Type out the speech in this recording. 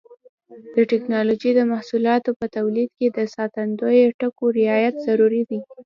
د ټېکنالوجۍ د محصولاتو په تولید کې د ساتندویه ټکو رعایت ضروري دی.